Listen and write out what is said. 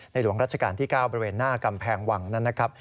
หลวงรัชกาลที่๙บริเวณหน้ากำแพงวังนั้นนะครับ